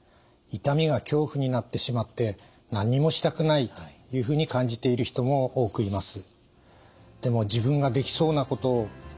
痛みが恐怖になってしまって何にもしたくないというふうに感じている人も多くいます。